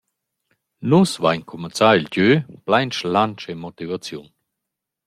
«Nus vain cumanzà il gö plain schlatsch e motivaziun.